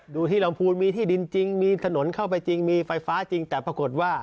ที่ลำพูนมีที่ดินจริงมีถนนเข้าไปจริงมีไฟฟ้าจริงแต่ปรากฏว่า